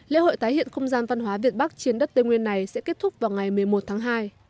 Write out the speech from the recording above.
lễ hội tái hiện không gian văn hóa việt bắc trên đất tây nguyên này sẽ kết thúc vào ngày một mươi một tháng hai